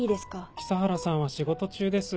久原さんは仕事中です。